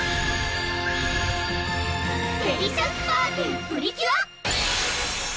デリシャスパーティプリキュア！